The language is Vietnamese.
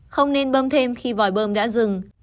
không nên bơm thêm khi vòi bơm đã dừng